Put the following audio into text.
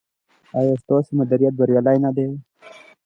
ایا ستاسو مدیریت بریالی نه دی؟